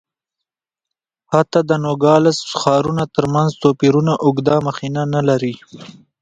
حتی د نوګالس ښارونو ترمنځ توپیرونه اوږده مخینه نه لري.